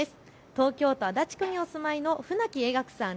東京都足立区にお住まいのふなきえがくさん